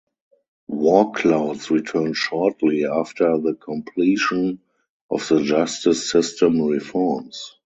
War clouds returned shortly after the completion of the justice system reforms.